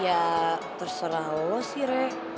ya terserah lo sih rek